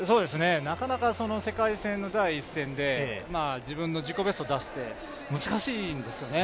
なかなか世界戦の第１戦で自分の自己ベストを出すって、難しいんですよね。